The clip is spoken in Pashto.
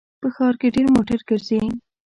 په ښار کې ډېر موټر ګرځي